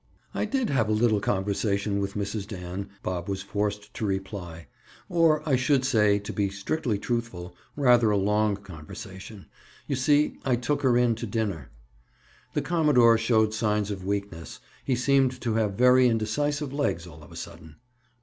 "I did have a little conversation with Mrs. Dan," Bob was forced to reply. "Or, I should say, to be strictly truthful, rather a long conversation. You see, I took her in to dinner." The commodore showed signs of weakness. He seemed to have very indecisive legs all of a sudden.